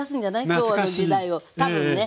昭和の時代を多分ね。